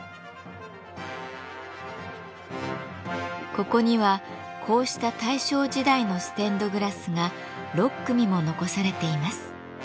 ここにはこうした大正時代のステンドグラスが６組も残されています。